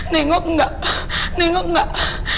nengok enggak nengok enggak